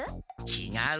ちがう。